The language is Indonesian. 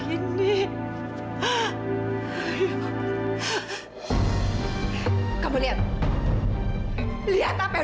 insya allah bu